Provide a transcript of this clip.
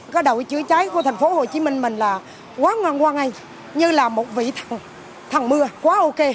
cái đội chữa cháy của thành phố hồ chí minh mình là quá ngoan ngoan ngay như là một vị thằng mưa quá ok